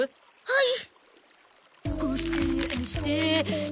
はい！